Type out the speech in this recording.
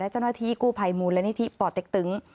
และเจ้าหน้าที่กู้ภัยมูลและนิติปลอดเต็กตึง